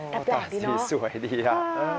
อ๋อตาสีสวยดีอะเออดีเนอะ